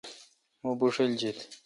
مہ بوݭل جیت۔